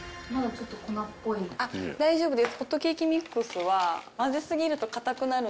大丈夫です。